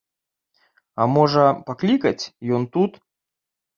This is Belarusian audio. А можа, паклікаць, ён тут.